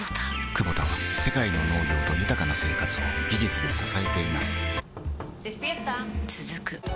クボタは世界の農業と豊かな生活を技術で支えています起きて。